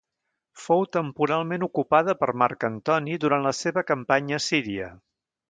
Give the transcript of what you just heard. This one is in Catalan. Fou temporalment ocupada per Marc Antoni durant la seva campanya a Síria.